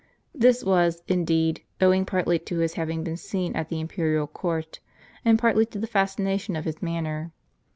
This was, indeed, owing partly to his having been seen at the imperial court, and partly to the fascination of his manner.